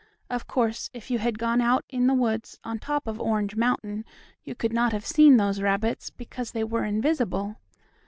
Of course, if you had gone out in the woods on top of Orange Mountain you could not have seen those rabbits, because they were invisible.